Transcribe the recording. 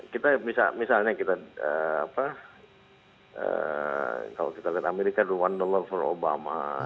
kita bisa misalnya kita apa kalau kita lihat amerika the one dollar for obama